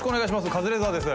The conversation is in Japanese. カズレーザーです。